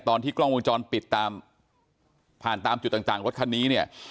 ตอนที่กล้องวงจรปิดตามผ่านตามจุดต่างรถคันนี้เนี่ย